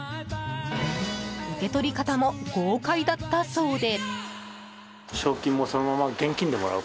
受け取り方も豪快だったそうで。